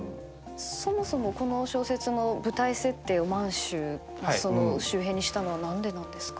そもそもこの小説の舞台設定を満州周辺にしたのは何でなんですか？